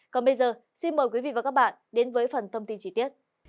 còn bây giờ xin mời quý vị và các bạn đến với phần thông tin trí tiết